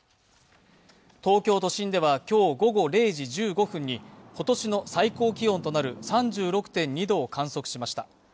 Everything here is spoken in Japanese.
東京都心では、今日午後０時１５分に今年の最高気温となる３６．２度を観測しました。